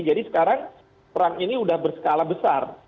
jadi sekarang perang ini sudah berskala besar